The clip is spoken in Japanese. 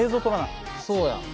そうやん。